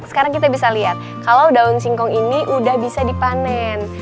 sekarang kita bisa lihat kalau daun singkong ini sudah bisa dipanen